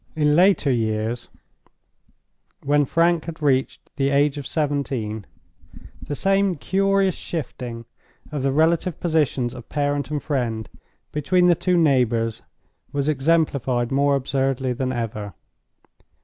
In later years, when Frank had reached the age of seventeen, the same curious shifting of the relative positions of parent and friend between the two neighbors was exemplified more absurdly than ever.